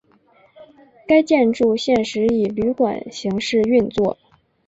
该建筑现时以旅馆形式运作。